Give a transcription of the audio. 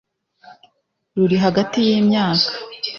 Ruri hagati y imyaka